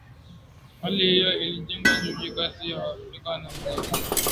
Hali hiyo ilijenga chuki kati ya Waafrika na Wajerumani